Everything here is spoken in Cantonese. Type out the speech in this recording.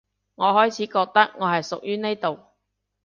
我開始覺得我係屬於呢度